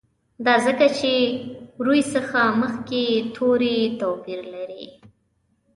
دا ځکه چې روي څخه مخکي یې توري توپیر لري.